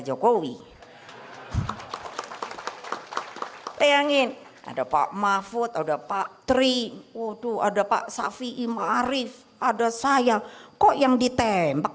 jokowi pengen ada pak mahfud ada pak tri wudhu ada pak safi imarif ada saya kok yang ditembak